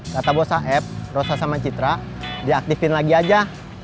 kata bos saeb rosa sama citra diaktifin lagi aja